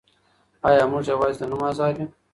آیا موږ یوازې د نوم آزاد یو؟